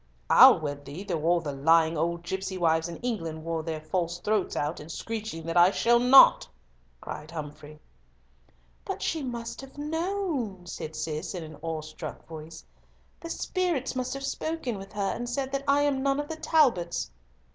"I'll wed thee though all the lying old gipsy wives in England wore their false throats out in screeching out that I shall not," cried Humfrey. "But she must have known," said Cis, in an awestruck voice; "the spirits must have spoken with her, and said that I am none of the Talbots."